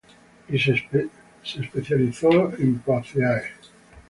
Y se especializó en Poaceae.